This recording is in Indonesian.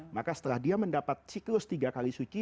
maka setelah dia mendapat siklus tiga kali suci